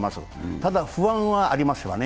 ただ不安はありますわね。